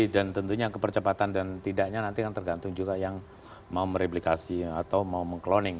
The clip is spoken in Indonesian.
dan tentunya kepercepatan dan tidaknya nanti akan tergantung juga yang mau mereplikasi atau mau mengkloning